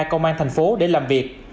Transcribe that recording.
công an tp hcm để làm việc